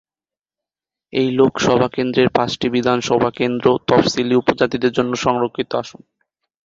এই লোকসভা কেন্দ্রের পাঁচটি বিধানসভা কেন্দ্র তফসিলী উপজাতিদের জন্য সংরক্ষিত আসন।